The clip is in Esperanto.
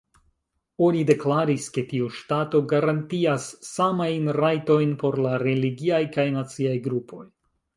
Oni deklaris, ke tiu ŝtato garantias samajn rajtojn por la religiaj kaj naciaj grupoj.